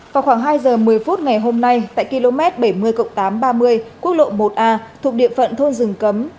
vào khoảng hai giờ một mươi phút ngày hôm nay tại km bảy mươi tám trăm ba mươi quốc lộ một a thuộc địa phận thôn rừng cấm